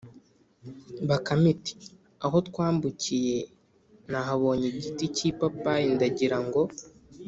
Bakame iti: “Aho twambukiye, nahabonye igiti k’ipapayi, ndagira ngo